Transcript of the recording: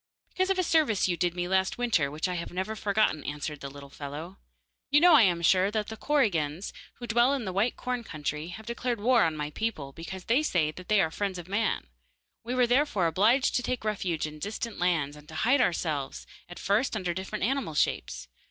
'Because of a service you did me last winter, which I have never forgotten,' answered the little fellow. 'You know, I am sure, that the korigans[FN#3: The spiteful fairies.] who dwell in the White Corn country have declared war on my people, because they say that they are the friends of man. We were therefore obliged to take refuge in distant lands, and to hide ourselves at first under different animal shapes.